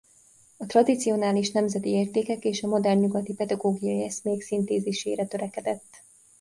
A tradicionális nemzeti értékek és a modern nyugati pedagógiai eszmék szintézisére törekedett.